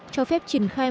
cho phép triển khai